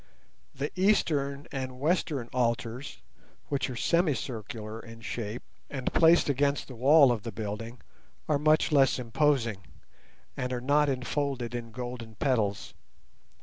The eastern and western altars, which are semicircular in shape, and placed against the wall of the building, are much less imposing, and are not enfolded in golden petals.